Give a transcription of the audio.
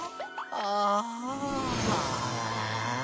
ああ！